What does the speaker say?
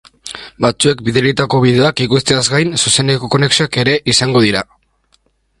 Batzuek bidalitako bideoak ikusteaz gain, zuzeneko konexioak ere izango dira.